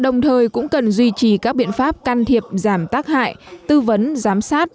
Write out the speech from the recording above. đồng thời cũng cần duy trì các biện pháp can thiệp giảm tác hại tư vấn giám sát